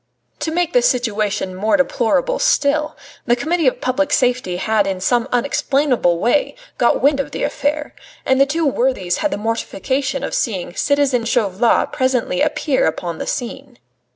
To make the situation more deplorable still, the Committee of Public Safety had in some unexplainable way got wind of the affair, and the two worthies had the mortification of seeing citizen Chauvelin presently appear upon the scene.